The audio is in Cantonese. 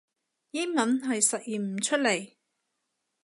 英文係實現唔出嚟